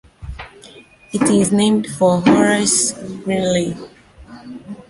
It is named for Horace Greeley.